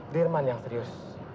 dirman yang serius